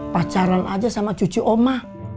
pacaran aja sama cucu oma